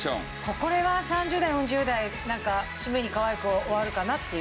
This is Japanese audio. これは３０代４０代なんか締めにかわいく終わるかなっていう。